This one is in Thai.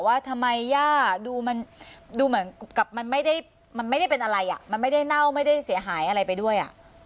ว่าทำไมดูเหมือนกับมันไม่ได้เป็นอะไรมันไม่ได้เน่าไม่ได้เสียหายอะไรไปด้วย